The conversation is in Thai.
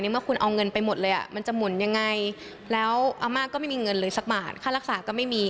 เมื่อคุณเอาเงินไปหมดเลยมันจะหมุนยังไงแล้วอาม่าก็ไม่มีเงินเลยสักบาทค่ารักษาก็ไม่มี